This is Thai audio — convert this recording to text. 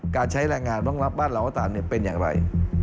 การใช้แรงงานบ้างรับบ้านเราก็ตามเป็นอย่างไร